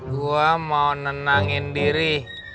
gua mau nenangin diri